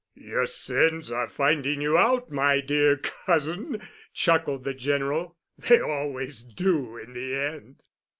"Your sins are finding you out, my dear cousin," chuckled the General. "They always do in the end."